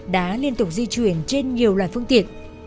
đã liên tục di chuyển trên nhiều loài phương tiện